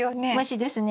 虫ですね。